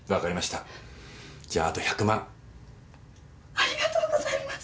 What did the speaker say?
ありがとうございます。